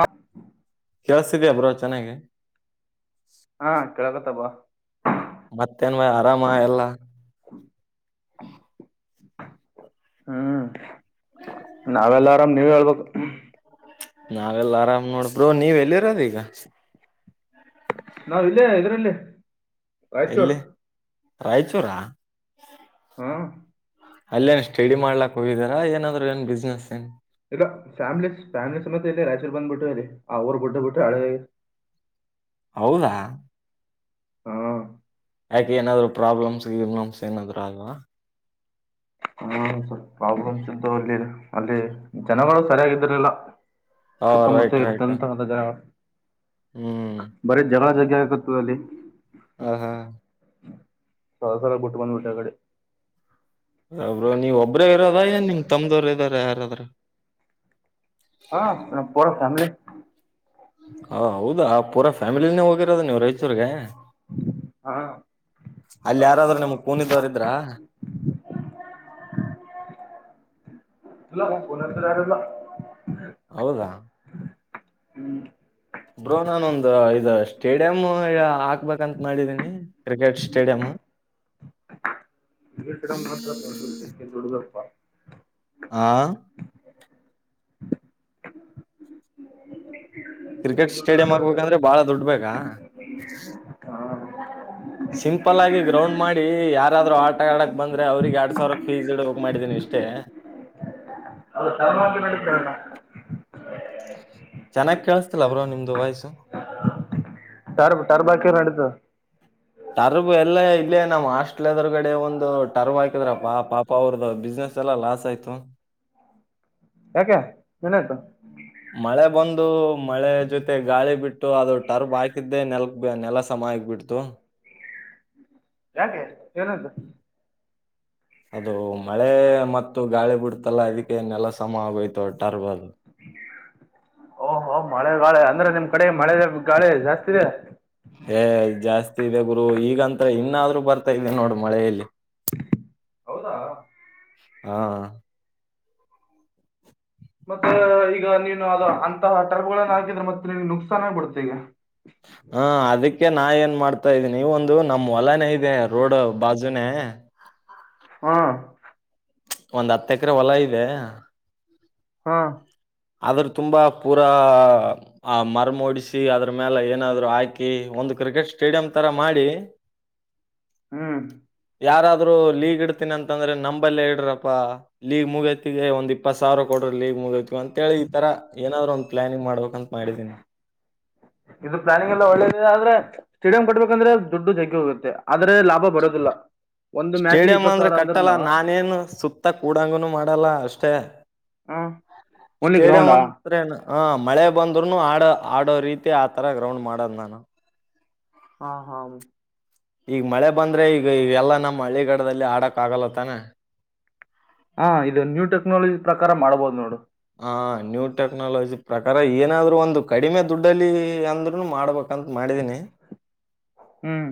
ಹ ಕೇಳುಸ್ತೀಯಾ ಬ್ರೋ ಚೆನ್ನಾಗಿ ಹಾ ಕೆಳಗತ್ತಬ ಮತ್ತೇನ್ ಭ ಆರಾಮ ಎಲ್ಲ ಹ್ಮ್ ನಾವೆಲ್ಲರಾಮ್ ನೀವೇ ಹೇಳ್ಬೇಕು ನಾವೆಲ್ಲ ಆರಾಮ್ ನೋಡಬ್ರೋ ನೀವ್ ಎಲ್ಲಿರೋದ ಈಗ ನಾವ ಇಲ್ಲೇ ಇದರಲ್ಲಿ ರಾಯಚೂರು ರಾಯಚೂರ ಹೂ ಅಲ್ಲೇನ್ ಸ್ಟಡಿ ಮಾಡ್ಲಾಕ್ ಹೋಗಿದಾರಾ ಏನಾದ್ರು ಏನ್ ಬಿಸ್ನೆಸ್ ಏನ್ ಇಲ್ಲ ಫ್ಯಾಮ್ಲೀಸ್ ಫ್ಯಾಮ್ಲೀಸ್ ಮತ್ತ ಇಲ್ಲಿ ರಾಯಚೂರು ಬಂದ್ಬಿಟ್ಟು ಇಲ್ಲಿ ಆ ಊರ್ ಬಿುಟ್ಟ ಬಿಟ್ಟು ಹಳೆ ಹೌದಾ ಹಾ ಯಾಕೆ ಏನಾದ್ರು ಪ್ರಾಬ್ಲಮ್ಸ್ ಇಬ್ಲಮ್ಸ್ ಏನಾದ್ರು ಅಲ್ವಾ ಹ ಪ್ರಾಬ್ಲೆಮ್ಸ್ ಇದ್ದುವು ಅಲ್ಲಿ ಅಲ್ಲಿ ಜನಗಳು ಸರಿಯಾಗಿದ್ರಿಲ್ಲ ಓ ರೈಟ್ ಸುತ್ತಮುತ್ತ ಇರುತ್ತ ರೈಟ್ ಅಂತ ಅದಾಗ ಹ್ಮ್ ಬರೀ ಜಲ ಜಗ್ ಆಕತ್ತು ಅಲ್ಲಿ ಹ ಹಾ ಸರ ಸರ ಭೂಟ್ಟು ಬಂದ್ಬಿಟ್ಟ ಕಡೆ ಅವರು ನೀವ್ ಒಬ್ಬ್ರೇ ಇರೋದಏ ನಿಮ್ ತಮ್ಮ್ದವರು ಇದಾರ ಯಾರಾದ್ರ ಹಾ ನ ಪರ ಫ್ಯಾಮಿಲಿ ಹ ಹೌದಾ ಪೂರಾ ಫ್ಯಾಮಿಲನೇ ಹೋಗಿರೋದು ನೀವು ರಾಯಚೂರ್ಗೆ ಹಾ ಅಲ್ಲಿ ಯಾರಾದ್ರರು ನಿಮ್ ಕೂನಿದವರಿದ್ರ ಹಲೋ [unintelligible] ಯಾರಿಲ್ಲ. ಹೌದಾ. ಹ್ಮ್ ಬ್ರೋ ನಾನೊಂದ ಇದ ಸ್ಟೇಡಿಯಂ ಹಾಕ್ಬೇಕಂತ ಮಾಡಿದೀನಿ ಕ್ರಿಕೆಟ್ ಸ್ಟೇಡಿಯಂ. Cricket stadium [unintelligible] ದುಡ್ದಪ್ಪ. ಆ ಜಗ್ಗಿ ಕ್ರಿಕೆಟ್ ಸ್ಟೇಡಿಯಂ ದುಡ್ಡು ಹಾಕ್ಬೇಕಂದ್ರೆ ಬಾಳ ದುಡ್ ಬೇಕಾ ಸಿಂಪಲ್ ಆಗಿ ಗ್ರೌಂಡ್ ಮಾಡಿ ಯಾರಾದ್ರು ಆಟ ಆಡಕ್ ಬಂದ್ರೆ ಅವ್ರಿಗೆ ಎರಡ್ ಸಾವಿರ ಫೀಸ್ ಇಡ್ಬೇಕ್ ಮಾಡಿದೀನಿ ಇಷ್ಟೇ. ಹಾ ಚೆನ್ನಾಗ್ ಕೇಳಸ್ತಿಲ್ಲ ಬ್ರೋ ನಿಮ್ದು ವಾಯ್ಸು. ರ್ ಟರ್ಬ್ ಟರ್ಬ್ ಹಾಕಿರ್ ನಡಿತದ. ಟರ್ಬ್ ಎಲ್ಲ ಇಲ್ಲೇ ನಮ್ಮ್ ಹಾಸ್ಟೆಲ್ ಎದ್ರುಗಡೆ ಒಂದು ಟರ್ವ್ ಹಾಕಿದ್ರಪ್ಪಾ ಪಾಪ ಅವರ್ದ ಬಿಸ್ನೆಸ್ ಎಲ್ಲಾ ಲಾಸ್ ಆಯ್ತು. ಯಾಕೆ ಏನಾಯ್ತು? ಮಳೆ ಬಂದು ಮಳೆ ಜೊತೆ ಗಾಳಿ ಬಿಟ್ಟು ಅದು ಟರ್ಬ್ ಹಾಕಿದ್ದೆ ನೆಲಕ್ ನೆಲ ಸಮ ಆಗ್ಬಿಡ್ತು. ಯಾಕೆ ಏನಾತು? ಅದು ಮಳೆ ಮತ್ತು ಗಾಳಿ ಬಿಡ್ತ್ ತಲ್ಲ ಅದಿಕ್ಕೆ ನೆಲ ಸಮ ಆಗೋಯ್ತು ಟರ್ಬಲ್ ಓಹೋ ಮಳೆ ಗಾಳೆ ಅಂದ್ರೆ ನಿಮ್ ಕಡೆ ಮಳೆದ್ ಏಯ್ ಜಾಸ್ ತಿ ಇದೆ ಗುರು ಈಗಂತ ಇನ್ನಾದ್ರು ಬರ್ತಾ ಇದೆ ನೋಡು ಮಳೆಯಲ್ಲಿ. ಹೌದಾ ಹಾ ಮತ್ತ ಈಗ ನೀನು ಅದು ಅಂತಹ ಟರ್ಗಳನ್ನ ಹಾಕಿದ್ರೆ ಮತ್ತೆ ನಿನ್ಗೆ ನುಕ್ಸಾನ ಬಿಡುತ್ತೆ ಈಗ. ಅಕೆ ನಾ ಏನ್ ಮಾಡ್ತಾ ಇದ್ದೀನಿ ಒಂದು ನಮ್ಮ್ ಹೊಲನೆ ಇದೆ ರೋಡ್ ಬಾಜುನೆ ಹ್ಮ್ ಒಂದ್ ಹತ್ ಎಕರೆ ಹೊಲ ಇದೆ. ಹ್ಮ್ ಆದ್ರ ತುಂಬಾ ಪೂರಾ ಆ ಮರಮೋಡಿಸಿ ಅದ್ರ ಮೇಲೆ ಏನಾದ್ರು ಹಾಕಿ ಒಂದು ಕ್ರಿಕೆಟ್ ಸ್ಟೇಡಿಯಂ ತರ ಮಾಡಿ ಹ್ಮ್ ಯಾರಾದ್ರು ಲೀಗ್ ಇಡ್ತೀನಿ ಅಂತಂದ್ರೆ ನಂಬಲ್ಲ ಇಡ್ರಪ್ಪಾ ಲೀಗ್ ಮುಗೈತಿಗೆ ಒಂದ್ ಇಪ್ಪತ್ ಸಾವಿರ ಕೊಡ್ರಿ ಲೀಗ್ ಮುಗೈತಿ ಅಂತ ಹೇಳಿ ಈ ತರ ಏನಾದ್ರು ಒಂದ್ ಪ್ಲಾನಿಂಗ್ ಮಾಡಬೇ ಇದು ಪ್ಲಾನಿಂಗ್ ಎಲ್ಲ ಒಳ್ಳೇದಿದೆ ಆದ್ರೆ ಸ್ಟೇಡಿಯಂ ಕಟ್ಬೇಕಂದ್ರೆ ದುಡ್ಡು ಜಗ್ಗಿ ಹೋಗುತ್ತೆ. ಆದ್ರೆ ಲಾಭ ಬರೋದಿಲ್ಲ ಒಂದು ಮ್ಯಾಚ್ ಸ್ಟೇಡಿಯಂ ಇಪ್ಪತ್ತು ಅಂದ್ರೆ ಸಾವಿರ ಕಟ್ಟಲ್ಲ ಅಂದ್ರನ ನಾನೇನು ಸುತ್ತ ಕೂಡಂಗನು ಮಾಡಲ್ಲ ಅಷ್ಟೇ ಓನ್ಲಿ ಸ್ಟೇಡಿಯಂ ಗ್ರೌಂಡಾ ಅಂದ್ರೇನು ಹ ಮಳೆ ಬಂದ್ರುನು ಆಡ ಆಡೋ ರೀತಿ ಆತರ ಗ್ರೌಂಡ್ ಮಾಡದ್ ನಾನು ಹಾ ಹಾಮ್ ಈಗ ಮಳೆ ಬಂದ್ರೆ ಈಗ ಈವೆಲ್ಲಾ ನಮ್ಮ ಹಳ್ಳಿಗಡದಲ್ಲಿ ಆಡಕ್ ಆಗಲತ್ತಾನೆ. ಹಾ ಇದು ನ್ಯೂ ಟೆಕ್ನಾಲಜಿ ಪ್ರಕಾರ ಮಾಡ್ಬೋದ್ ನೋಡು. ಹ ನ್ಯೂ ಟೆಕ್ನಾಲಜಿ ಪ್ರಕಾರ ಏನಾದ್ರು ಒಂದು ಕಡಿಮೆ ದುಡ್ಡಲಿ ಅಂದ್ರುನು ಮಾಡ್ಬೇಕ್ ಯಂತ ಮಾಡಿದೀನಿ ಹ್ಮ್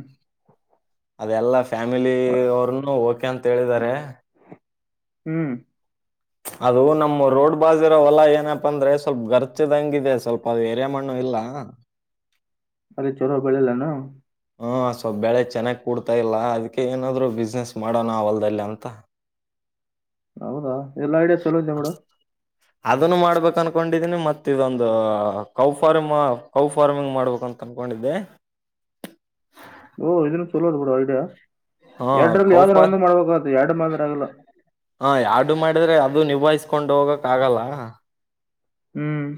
ಅದೆಲ್ಲ ಫ್ಯಾಮಿಲಿ ಅವ್ರನ್ನು ಓಕೆ ಯಾ ಅಂತ ಹೇಳಿದಿದ್ದಾರೆ ಹ್ಮ್ ಅದು ನಮ್ಮ ರೋಡ್ ಬಾಜರೋ ಹೊಲ ಏನಪ್ಪ ಅಂದ್ರೆ ಗರ್ಚುಇದ್ದಂಗಿದೆ ಸ್ವಲ್ಪ ಅದು ಯರಿಯ ಮಣ್ಣು ಇಲ್ಲ ಅರಿ ಚೊರ ಬೆಳಲ್ಲಾನ ಹೂಂ ಸ್ವಲ್ಪ ಬೆಳೆ ಚೆನ್ನಾಗಿ ಕೂಡ್ತಾ ಇಲ್ಲ ಅದಕ್ಕೆ ಏನಾದ್ರು ಬಿಜಿನೆಸ್ ಮಾಡೋಣ ವಲ್ದಲ್ಲಿ ಅಂತ ಹೌದಾ ಎಲ್ಲಾ ಐಡಿಯಾ ಚಲೋ ಇದ್ಯಾ ಬಿಡು ಅದನ್ನು ಮಾಡ್ಬೇಕ ಅನ್ಕೊಂಡಿದೀನಿ ಮತ್ತ ಇದೊಂದು ಕೌ ಫಾರ್ಮ್ ಕೌ ಫಾರ ಹೂಂ ಇದನ್ನು ಚಾಲೂ ಇದೆ ಬಿಡು ಐಡಿಯಾ ಹಾ ಎರಡ್ರಲ್ಲಿ ಕೌ ಯಾವ್ದ್ರ ಫಾರ್ ಒಂದ ಮಾಡ್ಬೇಕ ಆತು ಎರಡು ಮಾಡಿದ್ರ ಆಗಲ್ಲ ಹಾ ಎರಡು ಮಾಡಿದ್ರೆ ಅದು ನಿಭಾಯಿಸ್ಕೊಂಡ್ ಹೋಗಕ್ ಆಗಲ್ಲ ಹ್ಮ್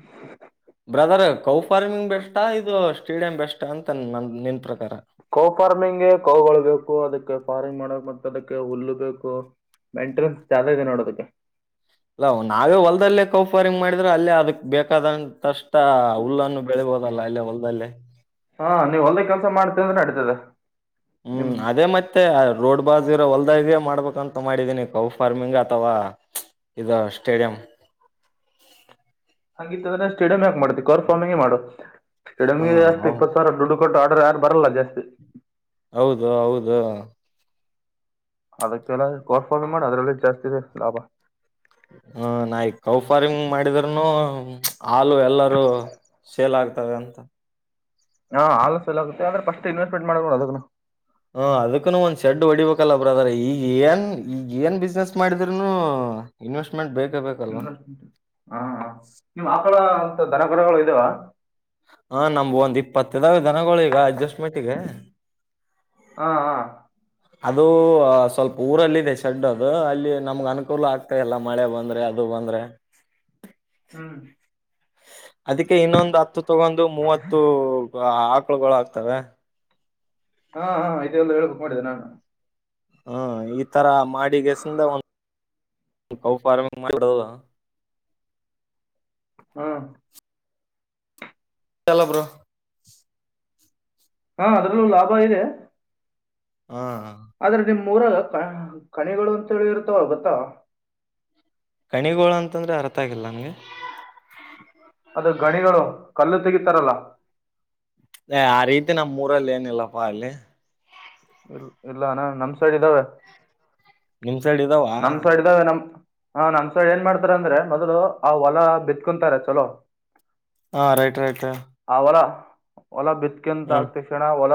ಬ್ರದರ್ ಕೌ ಫಾರ್ಮಿಂಗ್ ಬೆಸ್ಟ್ ಇದು ಸ್ಟೇಡಿಯಂ ಬೆಸ್ಟ್ ಅಂತ ನ ನಿನ್ ಪ್ರಕಾರ ಕೋ ಫಾರ್ಮಿಂಗ್ ಕೋಗಳು ಅದಕ್ಕೆ ಫಾರ್ಮಿಂಗ್ ಮಾಡಕ್ ಮತ್ತೆ ಹುಲ್ಲು ಅದಕ್ಕೆ ಬೇಕು ಹುಲ್ಲು ಬೇಕು ಫೆಂಟಾಸ್ಟ್ ಚೆನ್ನಾಗಿದೆ ನೋಡದಕೆ ಅಲ್ಲ ನಾವೇ ಹೊಲ್ದಲ್ಲೇ ಕೌಫಾರಿಂಗ್ ಮಾಡಿದ್ರೆ ಅಲ್ಲೇ ಅದಕ್ ಬೇಕಾದಂತಷ್ಟ ಹುಲ್ಲನ್ನು ಬೆಳಬೋದಲ್ಲ ಅಲ್ಲೇ ಹೊಲ್ದಲ್ಲೇ ಹಾ ನೀವ್ ಹೊಲ್ದೇ ಕೆಲ್ಸ ಮಾಡ್ತ ಅಂದ್ರೆ ನಡತದೆ ಹ್ಮ್ ಅದೇ ಮತ್ತೆ ರೋಡ್ ಬಾಜ [unintelligible] ರ ಹೊಲ್ದಾಗೇ ಮಾಡ್ಬೇಕಂತ ಮಾಡಿದೀನಿ ಕೌ ಫಾರ್ಮಿಂಗ್ ಅಥವಾ ಇದ ಸ್ಟೇಡಿಯಂ ಹಂಗಿತ್ತ ಅಂದ್ರೆ ಸ್ಟೇಡಿಯಂ ಯಾಕ್ ಮಾಡತಿ ಕಾರ್ ಫಾರ್ಮಿಂಗ್ ಮಾಡು ಹಾ ಸ್ಟೇಡಿಯಂಗೆ ಜಾಸ್ತಿ ಹೌದು ಇಪ್ಪತ್ತು ಸಾವಿರ ದುಡ್ಡು ಕೊ ಆರ್ಡರ್ ಯಾರು ಬರಲ್ಲ ಜಾಸ್ತಿ ಹೌದು ಹೌದು ಅದಕ್ಕೆಲ್ಲ ಕಾರ್ಫಾಲ ಮಾಡಿ ಅದ್ರಲ್ಲೂ ಜಾಸ್ತಿ ಇದೆ ಲಾಭ ಹ ಹ್ಮ [inaudible] ಹಾಲು ಎಲ್ಲರೂ ಸೇಲ್ ಆಗ್ತ ತದ ಅಂತ ಹಾ ಆದ ಲಸ ಎಲ್ಲ ಆಗುತ್ತೆ ಆದ್ರೆಫಸ್ಟ್ ಇನ್ವೆಸ್ಟ್ಮೆಂಟ್ ಮಾಡ್ಕೊಂಡು ಅದ [unintelligible] ಹ ಅದಕ್ಕನು ಒಂದ್ ಶೆಡ್ ಹೊಡಿಬೇಕಲ್ಲ ಬ್ರ ಅದ್ರೆ ಈಗ ಏನ್ ಈಗ ಏನ್ ಬಿಸ್ನೆಸ್ ಮಾಡಿದ್ರುನು ಇನ್ವೆಸ್ಟ್ಮೆಂಟ್ ಬೇಕ ಇಂ ಹ ನೀವು ಆಕಳ ದಧನಗುರಗಳು ಇದಾವ ಹಾ ನಮ ಒಂದ್ ಇಪ್ಪತ್ತದಾಗ ಜನಗಳ ಈಗ ಅಡ್ಜಸ್ಟ್ಮೆಂಟ್ಗ ಹಾ ಹಾ ಅದು ಸ್ವಲ್ಪ ಊರಲ್ಲದೆ ಶಡ್ ಅದು ಅಲ್ಲಿ ನಮ್ಗ್ ಅನುಕೂಲ ಆಗ್ತಾಲ್ಲ ಮಳೆ ಬಂದ್ರೆ ಅದು ಬಂದ್ರೆ ಹ್ಮ್ ಅದಕ್ಕೆ ಇನ್ನೊಂದು ಹತ್ತು ತಗೊಂಡ ಮೂವತ್ತು ಕಳ್ಗೊಳ ಆಗ್ತವೆ ಹಾ ಹಾ ಇದೆಲ್ಲ ಹೇಬೇಕು ಮಾಡಿದೆ ನಾನು ಹಾ ಈ ತರ ಮಾಡಿಗೆಸಿಂದ ಒಫಾರಿಂಗ್ ಮಾಡಬಡ ಹ್ಮ ಚಲ ಬ್ರೋ ಹಾ ಅದ್ರಲ್ಲೂ ಲಾಭ ಇದೆ ಹಾ ಮೂರ ಕಣಿಗಳು ಅಂತ ಹೇಳಿ ಇರ್ತಾವ ಗೊತ್ತಾವ ಕಣಿಗೋಳ ಅಂತಂದ್ರೆ ಅರ್ಥ ಆಗಿಲ್ಲ ನನ್ಗೆ ಅದು ಗಣಿಗಳು ಕಲ್ಲು ತಗಿತಾರಲ್ಲ ಏ ಆ ರೀತಿ ನಮ್ಮ್ ಊರಲ್ಲಿ ಏನಿಲ್ಲಪ್ಪಾ ಅಲ್ಲಿ ಇಲ್ ಇಲ್ಲ ಅಣ ನಮ್ಸಡ ಇದಾವೆ ನಿಮ್ ಸೈಡ್ ಇದಾವ ನಮ್ಮ ಸಡಿದ ನಮ ಹ ನನ್ಸಲ್ ಏನ್ ಮಾಡ್ತಾರ ಅಂದ್ರೆ ಮೊದ್ಲು ಆ ಹೊಲ ಬಿತ್ಕೊಂತಾರೆ ಚಲೋ ಹಾ ರೈಟ್ ರೈಟ್ ಹ ಹೊಲ ಬಿತ್ಕಂತ ಹ್ಮ್ ಆಗ್ತಕ್ಷಣ ಹೊಲ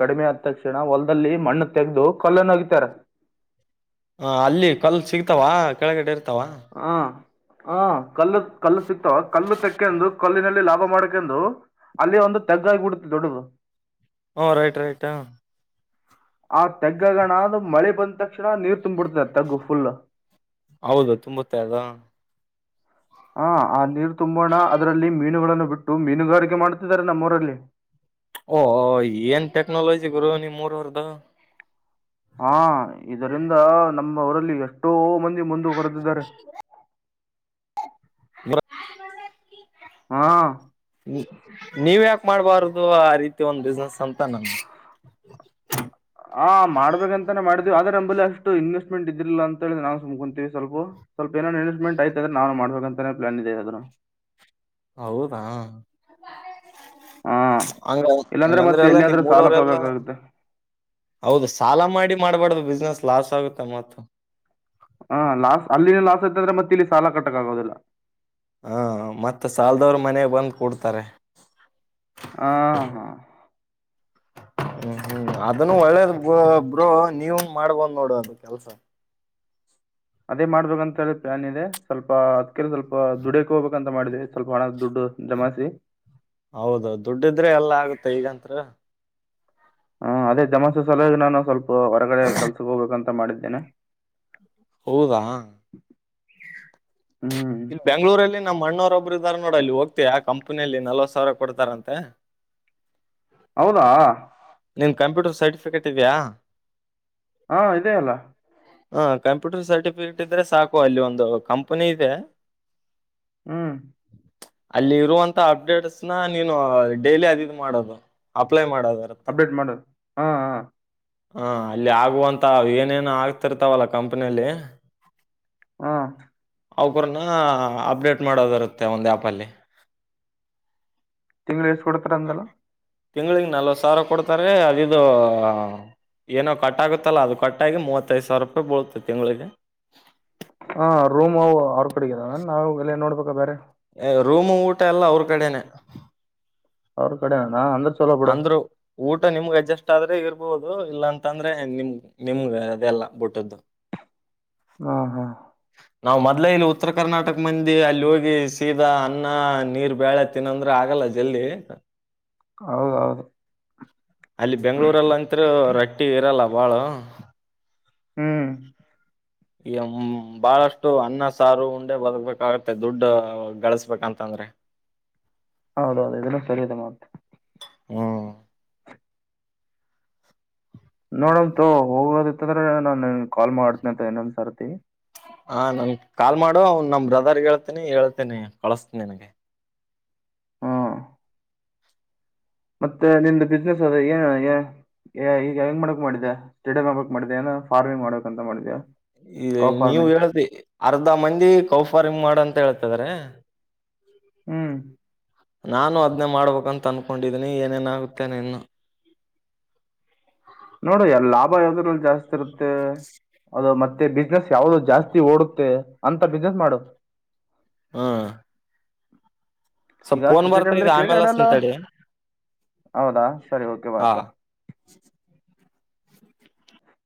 ಕಡಿಮೆ ಆದ ತಕ್ಷಣ ಒಲ್ ಲ್ಲಿ ಮಣ್ಣು ತೆೆಗೆದು ಕಲ್ಲನಗಿತಾರೆ ಹ ಅಲ್ಲಿ ಕಲ್ ಸಿಗ್ತಾವ ಕೆಳಗಡೆ ಇರ್ತಾವ ಹಾ ಹ ಕಲ್ಲು ಕಲ್ಲು ಸಿಗ್ತಾವ ಕಲ್ಲು ತಕ್ಕೆಂದು ಕಲ್ಲಿನಲ್ಲಿ ಲಾಭ ಮಾಡಕಂದು ಅಲ್ಲಿ ಒಂದು ತೆಗ್ಗಾಗಿ ಬಿಡುತ್ತ ದೊಡ್ಡದು ಹಓ ರೈಟ್ ರೈಟ್ ಹ ಆ ತೆಗ್ಗಗಣ ಅದು ಮಳೆ ಬಂದ ತಕ್ಷಣ ನೀರ್ ತ್ತಂಬಡ್ತತ್ತ ತೇಗು ಫುಲ್ ತೇಗ ಆ ಆ ನೀರು ತುಂಬೋಣ ಅದರಲ್ಲಿ ಮೀನುಗಳನ್ನು ಬಿಟ್ಟು ಮೀನುಗಾರಿಕೆ ಮಾಡುತ್ತಿದ್ದಾರೆ ನಮ್ಮೂರಲ್ಲಿ ಓಹ ಏನ್ ಟೆಕ್ನಾಲಜಿಗುರು ನಿಮ್ ಮೂರವರ್ದ ಹಾ ಇದರಿಂದ ನಮ್ಮ ಅವರಲ್ಲಿ ಎಷ್ಟೋ ಮಂದ ಮುಂದ ಬರೆದಿದ್ದಾರೆ ಹ ಹಾ ನೀವ್ ಯಾಕ ಮಾಡ್ಬಾರದು ಆ ರೀತಿ ಒಂದ್ ಬಿಸ್ನೆಸ್ ಅಂತ ನನ್ ಆ ಬೇಕಂತಾನೇ ಮಾಡಿದೀವಿ ಆದ್ರ ನಂಬಲ್ಲಿ ಅಷ್ಟು ಇನ್ವೆಸ್ಟ್ಮೆಂಟ್ ಇದ್ದ್ರಿಲ್ಲ ಅಂತ ಹೇಳ ನಾ ಸುಮ್ ಕುಂತೀ ಸ್ವಲ್ಪು ಸ್ವಲ್ಪ್ ಏನೋ ಇನ್ವೆಸ್ಟ್ಮೆಂಟ್ ಆಯ್ತ ಆದ್ರ ನಾನು ಮಾಡ್ಬೇಕಂತಾನೇ ಪ್ಲಾನ್ ಇದೆ ಅದೂ ಹೌದಾ ಹ ಹಾ ಹಂಗ ಇಲ್ಲಾಂದ್ರೆ ಹಂಗಂದ್ರೆ ಮತ್ತೆ ಎಲ್ಲಾ ನಿಮ್ ಎಲ್ಲಿಯಾದ್ರೂ ಸಾಲ ಮೂರವರೆ ಎಲ್ಲ ತಗೋಬೇಕಾಗುತ್ತೆ ಹೌದು ಸಾಲ ಮಾಡಿ ಮಾಡ್ಬಾರ್ದು ಬಿಸ್ನೆಸ್ ಲಾಸ್ ಆಗುತ್ತೆ ಮತ್ ಹಾ ಲಾಸ್ ಅಲ್ಲಿನ ಲಾಸ್ ಆಐತ ಅಂದ್ರೆ ಮತ್ತೆ ಇಲ್ಲಿ ಸಾಲ ಕಟ್ಟಕ್ ಆಗದಿಲ್ಲ ಹಾ ಮತ್ತ ಸಾಲದವರು ಮನೆಾಗ ಬಂದ್ ಕೂಡ್ತಾರೆ ಹಾ ಹಾ ಹ್ಮ್ ಹ್ಮ್ ಅದನ್ನು ಒಳ್ಳೇದ ಒಬ್ರು ನೀವು ಮಾಡ್ಬೋದ್ ನೋಡು ಅದು ಕೆಲ್ಸ ಅದೇ ಮಾಡ್ಬೇಕಂತ ಹೇಳಿ ಪ್ಲಾನ್ ಇದೆ ಸ್ವಲ್ಪ ಅದ್ಕ ಸ್ವಲ್ಪ ದುಡಕ್ ಹೋಗಬೇಕ ಅಂತ ಮಾಡಿದವಿ ಸ್ವಲ್ಪ ಹಣ ದುಡ್ಡು ಜಮಾಿಸಿ ಹೌದ ದುಡ್ಡಿದ್ರೆ ಎಲ್ಲಾ ಆಗುತ್ತೆ ಈಗಂತ್ರ ಹಾ ಅದೇ ಜಮಸೆ ಸಲಾಗಿ ನಾನು ಸ್ವಲ್ಪ ಹೊರಗಡೆ ಕಲ್ಸ ಹೋಗ್ಬೇಕಂತ ಮಾಡಿದ್ದೇನೆ ಹೌದಾ ಹ್ಮ್ ಇಲ್ಲಿ ಬೆಂಗ್ಗಳೂರಲ್ಲಿ ನಮ್ಮ ಅಣ್ಣವರೊಬ್ಬರು ಇದಾರೆ ನೋಡ ಇಲ್ಲಿ ಹೋಗ್ತಿ ಯಾಕೆ [unintelligible] ಕಂಪನಿಯಲ್ಲಿ ನಲ್ವತ್ತು ಸಾವಿರ ಕೊಡ್ತಾರಂತೆ ಹೌದಾ ನಿನ್ನ ಕಂಪ್ಯೂಟರ್ ಸರ್ಟಿಫಿಕೇಟ್ ಇದೆಯಾ ಹಾ ಇದೇ ಅಲ್ಲ ಹ ಕಂಪ್ಯೂಟರ್ ಸರ್ಟಿಫಿಕೇಟ್ ಇದ್ರೆ ಸಾಕು ಅಲ್ಲಿ ಒಂದು ಕಂಪನಿ ಇದೆ ಹ್ಮ್ ಅಲ್ಲಿ ಇರುವಂತ ಅಪ್ಡೇಟ್ಸ್ನ ನೀನು ಡೈಲಿ ಅದುದ್ ಮಾಡೋದು ಅಪ್ಲೈ ಮಾಡೋದು ಇರುತ್ತೆ ಅಪ್ಡೇಟ್ ಮಾಡು ಹಾ ಹ ಹಾ ಅಲ್ಲಿ ಆಗುವಂತ ಏನೇನು ಆಗ್ತಿರ್ತಾವಲ್ಲ ಕಂಪನಿಯಲ್ಲಿ ಹಾ ಅವೌ [unintelligible] ಅಪ್ಡೇಟ್ ಮಾಡೋದ ಇರುತ್ತೆ ಒಂದು ಆ್ಯಪ ಅಲ್ಲಿ ತಿಂಗಳಿಗೆ ಎಷ್ಟ ಕೊಡ್ತಾರ ಅಂದಲ್ಲ ತಿಂಗಳಿಗೆ ನಲ್ವತ್ ಸಾವಿರ ಕೊಡ್ತಾರೆ ಅದುದ ಏನೋ ಕಟ್ ಆಗುತ್ತಲ್ಲ ಅದು ಕಟ್ಟಾಗಿ ಮೂವತ್ತೈದು ಸಾವಿರ ರೂಪಾಯಿ ಬೀಳತೆ ತಿಂಗಳಿಗೆ ಹಾ ರೂಮ್ವು ಅವ್ರ ಕಡೆಗೆವ ನಾವು ಎಲ್ಲನ್ ನೋಡ್ಬೇಕ ಬೇರೆ ರೂಮ್ ಊಟ ಎಲ್ಲ ಅವ್ರ ಕಡೆನೆ ಅವ್ರ ಕಡೆಣ ಅಂದ್ರ ಅಂದ್ರು ಊಟ ನಿಮ್ಗ ಅಜ್ಜಸ್ ಆದ್ರೆ ಇರ್ಬೋದು ಇಲ್ಲಾಂತಂದ್ರೆ ನಿಮ ನಿಮಗೆ ಅದೆಲ್ಲ ಬಿುಟ್ಟದ್ದು ಹಾ ಹಾ ನಾವ್ ಮೊದ್ಲ ಇಲ್ಲಿ ಉತ್ತರ ಕರ್ನಾಟಕ ಮಂದಿ ಅಲ್ಲಿ ಹೋಗಿ ಸೀದಾ ಅನ್ನ ನೀರ್ ಬಳೆ ತಿನ್ನಂದ್ರೆ ಆಗಲ್ಲ ಜಲ್ದಿ ಹೌದೌದು ಅಲ್ಲಿ ಬೆಂಗಳೂರಲ್ಲಿ ಅಂತರು ರಟ್ಟಿ ಇರಲ್ಲ ಬಾಳ ಹ್ಮ್ ಈ ಬಹಳಷ್ಟು ಅನ್ನ ಸಾರು ಉಂಡೆ ಬದಬೇಕಾಗತ್ತೆ ದುಡ್ಡು ಗಳಿಸಬೇಕಂತಂದ್ರೆ ಹೌದೌದು ಇದಲ್ಲ ಸರಿದೆ ಮತ್ [unintelligible] ಹ್ಮ ನೋಡಂತು ಹೋಗೋದತ್ತಂದ್ರೆ ನಾನನ್ ಕಾಲ್ ಮಾಡ್ತನನೆ ಅಂತ ಇನ್ನೊಂದ್ ಸರ್ತಿ ಹಾ ನನ್ ಕಾಲ್ ಮಾಡು ಅವ್ನ್ ನಮ ಬ್ರದರ್ ಹೇಳ್ತೀನಿ ಹೇಳ್ತೇನಿ ಕಳಸ್ತಿ ನನ್ಗೆ ಹ್ಮ್ ಮತ್ತೆ ನಿಮ್ದ ಬಿಸ್ನೆಸ್ ಅ ಏನ ಈಗ ಹೆಂಗ ಮಾಡಕ್ ಮಾಡಿದೆ ಸ್ಟೇಟ್ ಮಾಡ್ಕ್ ಮಾಡಿದೆ ಏನ ಫಾರ್ಮಿಂಗ್ ಮಾಡ್ಬೇಕಂತ ಮಾಡೇಾ ಈ ನೀವು ಹೇಳ್ತಿ ಅರ್ಧ ಮಂದಿ ಕೌಫಾರಮ್ ಮಾಡಂತ ಹೇಳ್ತಿ ತಗರ್ಯ ಹ್ಮ್ ನಾನು ಅದ್ನೇ ಮಾಡ್ಬೇಕಂತ ಅನ್ಕೊಂಡಿದೀನಿ ಏನೇನಾಗುತ್ತೇನೆ ಇನ್ನು ನೋಡು ಎ ಲಾಭ ಯಾವದ್ರಲ್ಲಿ ಜಾಸ್ತಿ ಇರುತ್ತೆ ಅದು ಮತ್ತೆ ಸ್ ಯಾವ್ದೋ ಜಾಸ್ತಿ ಓಡುತ್ತೆ ಅಂತ ಬಿಸ್ನೆಸ್ ಮಾಡು ಹಾ ಈಗ ಕ್ರಿಕೆಟ್ ಆಡಿದ್ರೆ ಇದೆ ಕ್ರಿಕೆಟ್ ಆಮೇಲೆ ಆಡಲ್ಲ ಹಚ್ತೀನಿ ತಡಿ ಹೌದಾ ಸರಿ ಓಕೆ ಹಾ ಬಯ್ತು